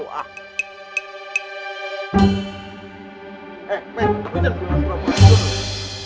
lu ini ada dua orang